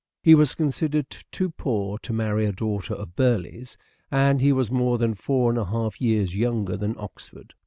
He was considered too poor to marry a daughter of Burleigh's, and he was more than four and a half years younger than Oxford.